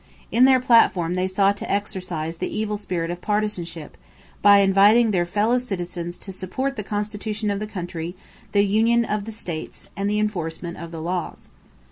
In their platform they sought to exorcise the evil spirit of partisanship by inviting their fellow citizens to "support the Constitution of the country, the union of the states, and the enforcement of the laws."